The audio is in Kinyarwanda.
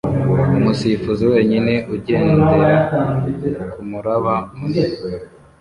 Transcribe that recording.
umusifuzi wenyine ugendera kumuraba munini